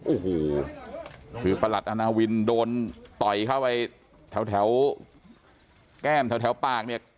โอ้โหคือประหลัดอาณาวินโดนต่อยเข้าไปแถวแก้มแถวปากเนี่ย